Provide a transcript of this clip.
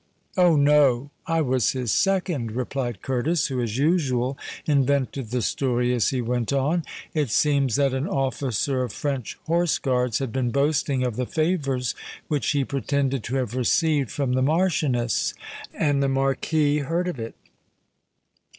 "Oh! no—I was his second," replied Curtis, who, as usual, invented the story as he went on. "It seems that an officer of French horse guards had been boasting of the favours which he pretended to have received from the Marchioness; and the Marquis heard of it.